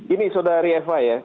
ini saudari eva ya